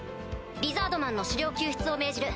リザードマンの首領救出を命じる。